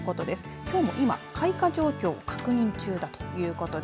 きょうも今開花状況を確認中だということです。